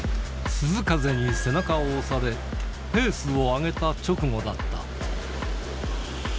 涼風に背中を押され、ペースを上げた直後だった。